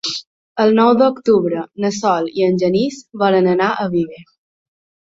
El nou d'octubre na Sol i en Genís volen anar a Viver.